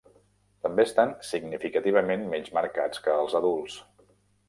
També estan significativament menys marcats que els adults.